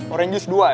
orange juice dua ya